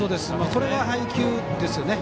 これは配球ですよね。